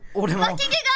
わき毛が！